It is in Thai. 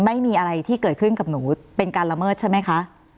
ไม่มีอะไรที่เกิดขึ้นกับหนูเป็นการละเมิดใช่ไหมคะ